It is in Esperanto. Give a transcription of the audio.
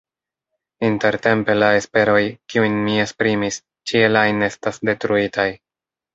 Intertempe la esperoj, kiujn mi esprimis, ĉiel ajn estas detruitaj.